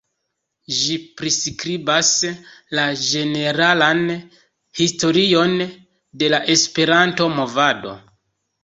Ĝi priskribas la ĝeneralan historion de la Esperanto-movado.